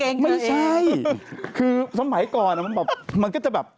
กางเกงเธอเองไม่ใช่คือสมัยก่อนมันแบบมันก็จะแบบ